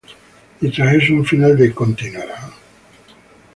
Y tras eso un final de "Continuará..."?